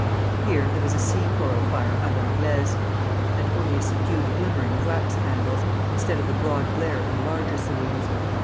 Here there was a sea coal fire à l'anglaise, and only a subdued glimmering of wax candles, instead of the broad glare in the larger saloons.